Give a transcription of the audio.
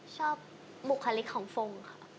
บุคลิกของฟงค่ะ